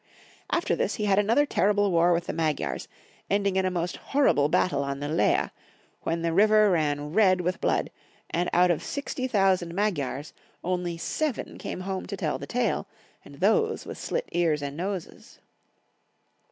After this he had another terrible war with the Magyars, ending in a most horrible battle on the Leeh, when the river ran red with blood, and out of 60,000 Magyars only seven came home to tell the tale, and those with slit noses and ears.